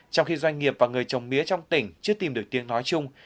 trong khi doanh nghiệp và người trồng mía trong tỉnh chưa tìm được tiếng nói chung